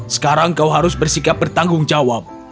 sekarang kau harus bersikap bertanggung jawab